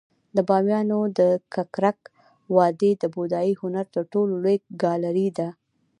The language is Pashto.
د بامیانو د ککرک وادي د بودايي هنر تر ټولو لوی ګالري ده